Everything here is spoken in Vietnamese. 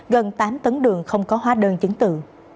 gần tám tấn đường không có hóa đơn chứng tự